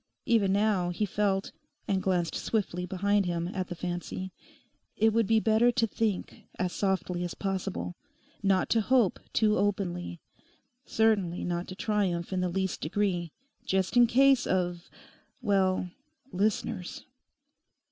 Even now, he felt (and glanced swiftly behind him at the fancy), it would be better to think as softly as possible, not to hope too openly, certainly not to triumph in the least degree, just in case of—well—listeners.